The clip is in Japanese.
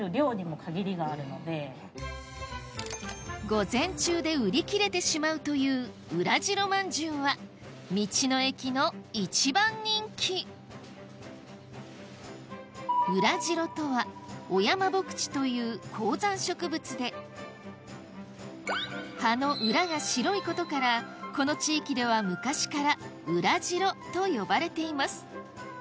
午前中で売り切れてしまうといううらじろまんじゅうは道の駅の一番人気という高山植物で葉の裏が白いことからこの地域では昔からうらじろと呼ばれています